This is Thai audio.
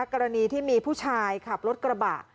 กรณีที่มีผู้ชายขับรถกระบะ